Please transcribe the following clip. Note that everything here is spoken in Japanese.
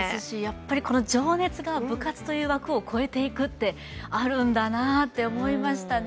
この情熱が部活という枠を超えていくってあるんだなって思いましたね。